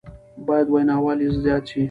بايد ويناوال يې زياد شي